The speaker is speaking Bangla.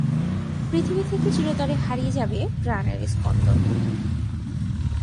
পৃথিবী থেকে চিরতরে হারিয়ে যাবে প্রাণের স্পন্দন।